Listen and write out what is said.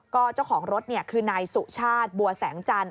ก็เจ้าของรถคือนายสุชาติบัวแสงจันท